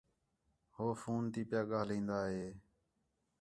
ہو فون تی پِیا ڳاھلین٘دا ہِے